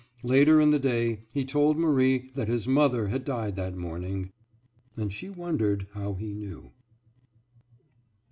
Later in the day he told Marie that his mother had died that morning, and she wondered how he knew.